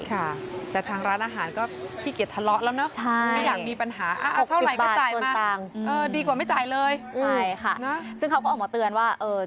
ค่ะแต่ทางร้านอาหารก็ขี้เกียจทะเลาะแล้วเนอะ